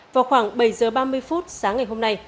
vào khoảng bảy h ba mươi phút sáng ngày hôm nay